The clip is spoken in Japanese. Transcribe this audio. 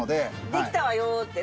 「できたわよ」ってね。